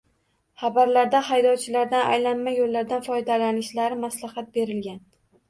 Xabarda haydovchilardan aylanma yo‘llardan foydalanishlari maslahat berilgan